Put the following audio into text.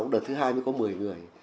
đợt thứ hai mới có một mươi người